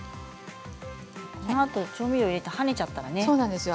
このあと調味料を入れて跳ねちゃったらね。